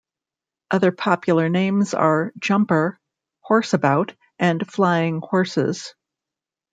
Other popular names are jumper, horseabout and flying horses.